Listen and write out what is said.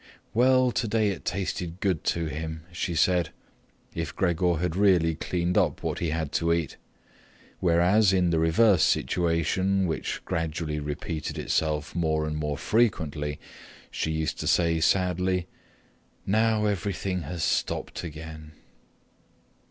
"Well, today it tasted good to him," she said, if Gregor had really cleaned up what he had to eat; whereas, in the reverse situation, which gradually repeated itself more and more frequently, she used to say sadly, "Now everything has stopped again."